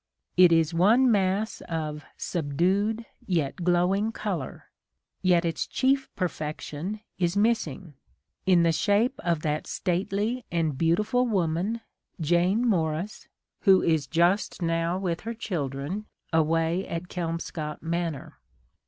It is one mass of "subdued yet glowing colour" : yet its chief perfection is missing, in the shape of that stately and beauti ful woman, Jane Morris, who is just now with her children, away at Kelmscott Manor.